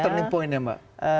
turning point ya mbak